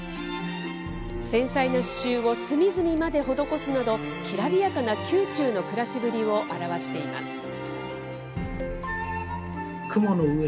繊細な刺しゅうを隅々まで施すなど、きらびやかな宮中の暮らしぶりを表しています。